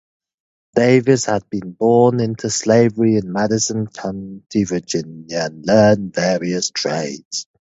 Davis had been born into slavery in Madison County, Virginia and learned various trades.